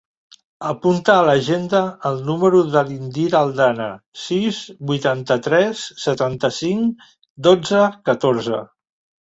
Apunta a l'agenda el número de l'Indira Aldana: sis, vuitanta-tres, setanta-cinc, dotze, catorze.